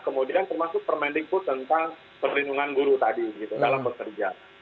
kemudian termasuk permendikbud tentang perlindungan guru tadi dalam bekerja